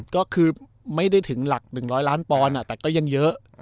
ก็คือไม่ได้ถึงหลัก๑๐๐ล้านปอนด์แต่ก็ยังเยอะ